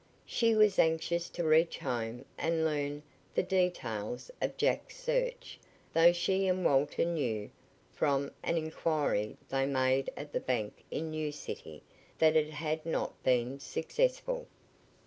She was anxious to reach home and learn the details of Jack's search, though she and Walter knew, from an inquiry they had made at the bank in New City, that it had not been successful.